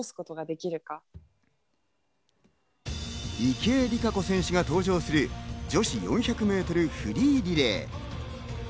池江璃花子選手が登場する女子４００ｍフリーリレー。